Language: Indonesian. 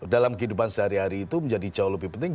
dalam kehidupan sehari hari itu menjadi jauh lebih penting